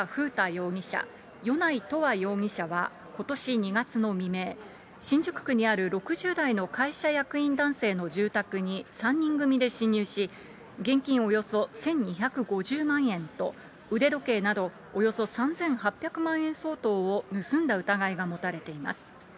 米内永遠容疑者はことし２月の未明、新宿区にある６０代の会社役員男性の住宅に３人組で侵入し、現金およそ１２５０万円と腕時計などおよそ３８００万円相当を盗んだ疑いが持たれています。